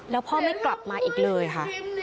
แล้วพ่อไม่กลับมาอีกเลยค่ะ